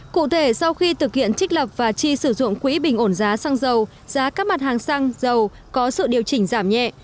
cụ thể sau khi thực hiện trích lập và chi sử dụng quỹ bình ổn giá xăng dầu giá các mặt hàng xăng dầu có sự điều chỉnh giảm nhẹ